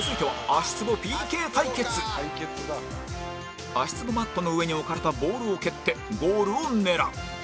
足つぼマットの上に置かれたボールを蹴ってゴールを狙う